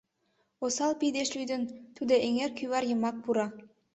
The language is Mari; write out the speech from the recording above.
Осал пий деч лӱдын, тудо эҥер кӱвар йымак пура.